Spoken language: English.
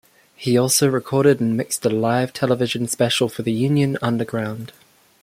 He also recorded and mixed a live television special for Union Underground.